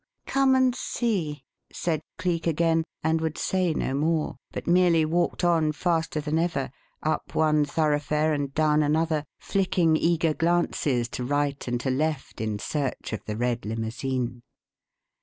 "Come and see," said Cleek again, and would say no more, but merely walked on faster than ever up one thoroughfare and down another flicking eager glances to right and to left in search of the red limousine.